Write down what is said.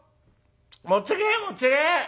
持ってけ持ってけ。